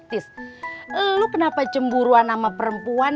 tis lu kenapa cemburuan sama perempuan